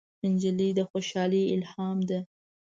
نجلۍ د خوشحالۍ الهام ده.